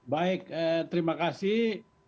baik terima kasih